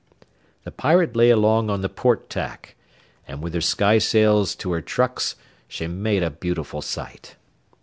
The Pirate lay along on the port tack, and with her skysails to her trucks she made a beautiful sight.